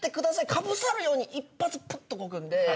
かぶさるように一発プッとこくんで。